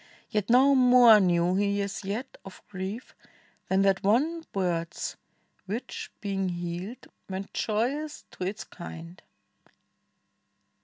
Yet not more Knew he as yet of grief than that one bird's, Which, being healed, went joyous to its kind.